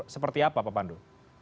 seperti apa pak pandu